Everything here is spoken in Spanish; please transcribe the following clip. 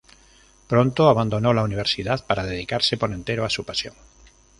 Pronto abandonó la universidad para dedicarse por entero a su pasión.